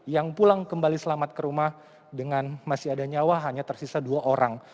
yang pulang kembali selamat ke rumah dengan masih ada nyawa hanya tersisa dua orang